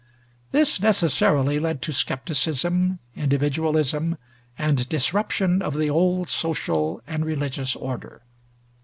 This necessarily led to skepticism, individualism, and disruption of the old social and religious order.